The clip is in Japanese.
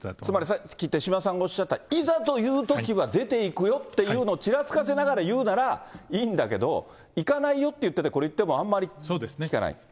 つまりさっき手嶋さんがおっしゃった、いざというときは出ていくよっていうのをちらつかせながら言うなら、いいんだけど、行かないよって言ってて、これ、言ってもあんまり効かない。